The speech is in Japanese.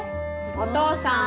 お父さん。